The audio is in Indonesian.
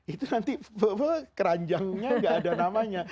itu nanti keranjangnya nggak ada namanya